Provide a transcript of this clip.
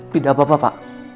tidak apa apa pak